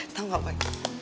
tau gak boy